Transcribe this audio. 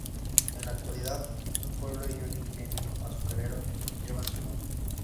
En la actualidad, un pueblo y un ingenio azucarero llevan su nombre.